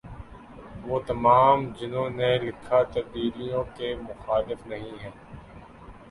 وہ تمام جنہوں نے لکھا تبدیلیوں کے مخالف نہیں ہیں